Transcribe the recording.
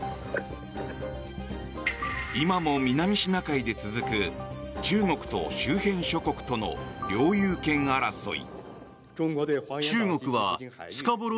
今も南シナ海で続く中国と周辺諸国との領有権争い。